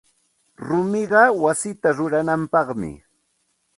Rumiqa wayita ruranapaqmi.